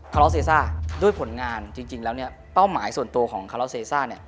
ล็อเซซ่าด้วยผลงานจริงแล้วเนี่ยเป้าหมายส่วนตัวของคาราเซซ่าเนี่ย